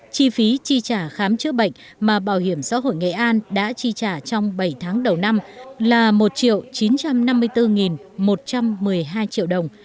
chi phí chi trả khám chữa bệnh mà bảo hiểm xã hội nghệ an đã chi trả trong bảy tháng đầu năm là một chín trăm năm mươi bốn một trăm một mươi hai triệu đồng